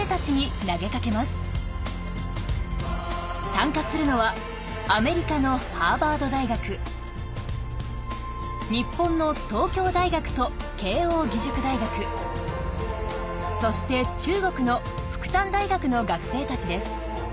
参加するのはアメリカのハーバード大学日本の東京大学と慶應義塾大学そして中国の復旦大学の学生たちです。